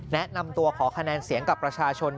แนะนำตัวขอคะแนนเสียงกับประชาชน